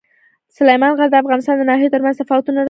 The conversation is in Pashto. سلیمان غر د افغانستان د ناحیو ترمنځ تفاوتونه رامنځ ته کوي.